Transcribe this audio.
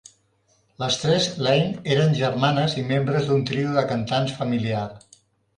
Les tres Lane eren germanes i membres d'un trio de cantants familiar.